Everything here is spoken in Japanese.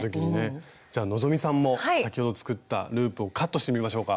じゃあ希さんも先ほど作ったループをカットしてみましょうか。